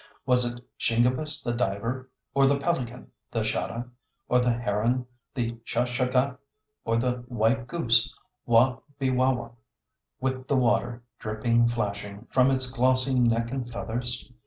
Was it Shingebis the diver? Or the pelican, the Shada? Or the heron, the Shuh shuh gah? Or the white goose, Waw be wawa, With the water dripping, flashing From its glossy neck and feathers?